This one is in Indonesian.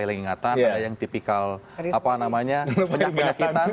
yang ingatan yang tipikal penyakitan